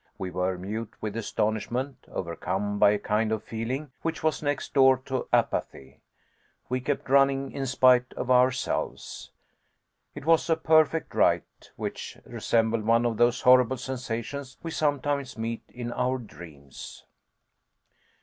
We were mute with astonishment, overcome by a kind of feeling which was next door to apathy. We kept running in spite of ourselves. It was a perfect Right, which resembled one of those horrible sensations we sometimes meet with in our dreams.